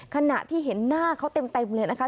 ขณะที่เห็นหน้าเขาเต็มเลยนะคะ